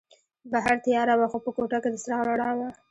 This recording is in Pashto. بهر تیاره وه خو په کوټه کې د څراغ رڼا وه.